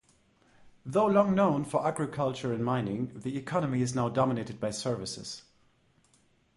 Though long known for agriculture and mining, the economy is now dominated by services.